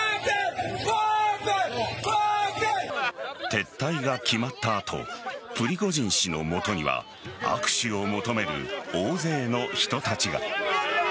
撤退が決まった後プリゴジン氏のもとには握手を求める大勢の人たちが。